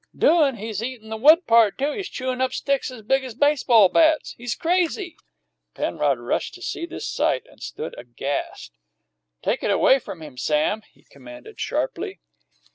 "Doin'! He's eatin' the wood part, too! He's chewin' up sticks as big as baseball bats! He's crazy!" Penrod rushed to see this sight, and stood aghast. "Take it away from him, Sam!" he commanded sharply.